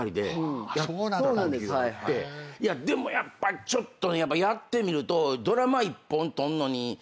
でもやっぱちょっとやってみると。